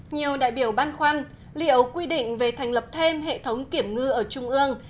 nhiều đại biểu băn khoăn liệu quy định về thành lập thêm hệ thống kiểm ngư ở trung ương